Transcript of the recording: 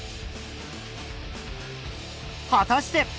果たして。